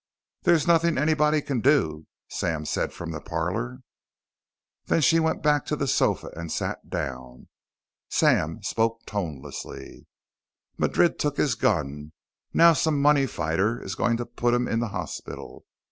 "There's nothing anybody can do," Sam said from the parlor. Then she went back to the sofa and sat down. Sam spoke tonelessly. "Madrid took his gun; now some money fighter is going to put him in the hospital.